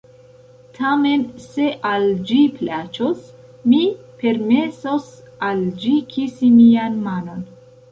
"Tamen se al ĝi plaĉos, mi permesos al ĝi kisi mian manon."